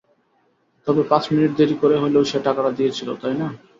তবে পাঁচমিনিট দেরি করে হলেও সে টাকাটা দিয়েছিল, তাই না?